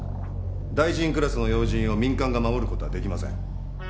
大臣クラスの要人を民間が護る事は出来ません。